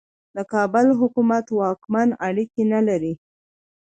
د کابل حکومت واکمن اړیکې نه لري.